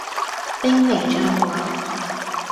兵微將寡